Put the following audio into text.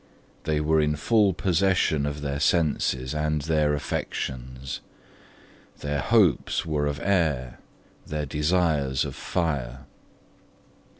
They were in full possession of their senses and their affections. Their hopes were of air, their desires of fire.